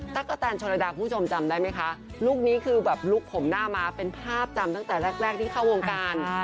ตเตกตันชนระดาคคุณผู้ชมได้มั้ยคะลูกนี้คือลูกผมหน้ามาเป็นภาพจำตั้งแต่แรกที่เข้าวงการ